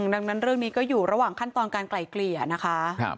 ดังนั้นเรื่องนี้ก็อยู่ระหว่างขั้นตอนการไกล่เกลี่ยนะคะ